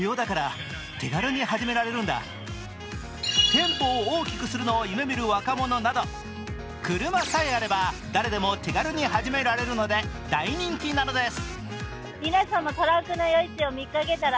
店舗を大きくするのを夢見る若者など、車さえあれば、誰でも手軽に始められるので大人気なのです。